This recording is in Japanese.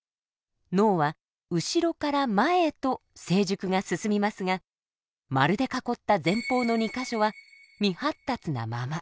脳は後ろから前へと成熟が進みますが丸で囲った前方の２か所は未発達なまま。